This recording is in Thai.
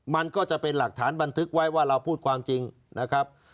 มันก็จะเป็นหลักฐานบันทึกไว้ว่าเราพูดความจริงนะครับ